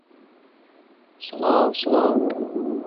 ناچار شتێکی بە دەنگێکی زۆر ناخۆش بۆ خوێندینەوە!